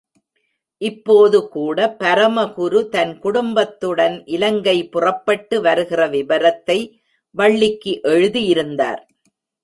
இப்போதுகூட, பரமகுரு தன் குடும்பத்துடன் இலங்கை புறப்பட்டு வருகிற விபரத்தை வள்ளிக்கு எழுதியிருந்தார்.